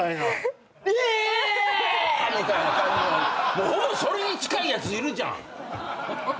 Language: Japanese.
もうほぼそれに近いやついるじゃん。